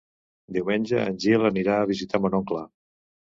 Diumenge en Gil anirà a visitar mon oncle.